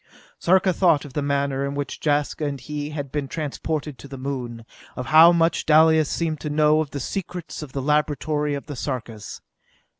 Sarka thought of the manner in which Jaska and he had been transported to the Moon; of how much Dalis seemed to know of the secrets of the laboratory of the Sarkas.